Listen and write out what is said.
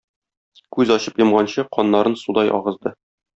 Күз ачып йомганчы каннарын судай агызды.